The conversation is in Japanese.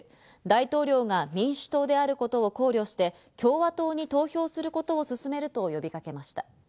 大統領が民主党であることを考慮して、共和党に投票することを勧めると呼びかけました。